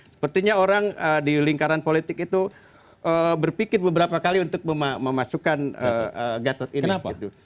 sepertinya orang di lingkaran politik itu berpikir beberapa kali untuk memasukkan gatot ini gitu